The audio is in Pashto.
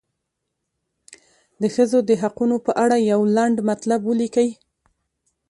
د ښځو د حقونو په اړه یو لنډ مطلب ولیکئ.